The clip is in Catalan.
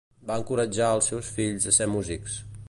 Va encoratjar als seus fills a ser músics.